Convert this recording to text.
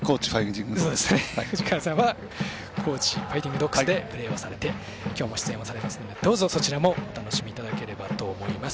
藤川さんは高知ファイティングドッグスでプレーをされて今日も出演をされていますのでどうぞ、そちらもお楽しみいただければと思います。